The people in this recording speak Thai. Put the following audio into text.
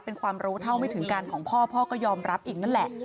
เป็นความรู้เท่าไม่ถึงการของพ่อพ่อก็ยอมรับอีกนั่นแหละ